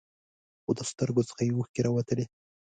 خو د سترګو څخه یې اوښکې راوتلې.